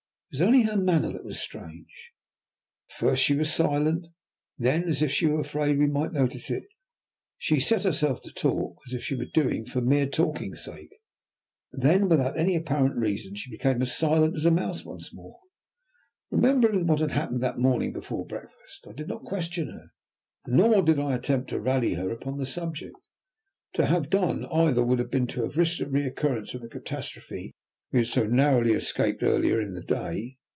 It was only her manner that was strange. At first she was silent, then, as if she were afraid we might notice it, she set herself to talk as if she were so doing for mere talking's sake. Then, without any apparent reason, she became as silent as a mouse once more. Remembering what had happened that morning before breakfast, I did not question her, nor did I attempt to rally her upon the subject. To have done either would have been to have risked a recurrence of the catastrophe we had so narrowly escaped earlier in the day.